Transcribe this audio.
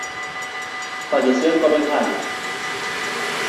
Falleció en Copenhague.